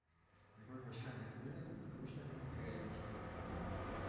Het wordt waarschijnlijk moeilijk om de doelstellingen te realiseren.